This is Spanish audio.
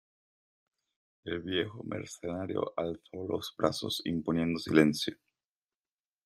el viejo mercenario alzó los brazos imponiendo silencio: